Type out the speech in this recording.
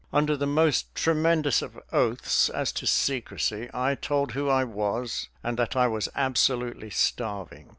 Under the most tremendous of oaths as to secrecy, I told who I was and that I was absolutely starving.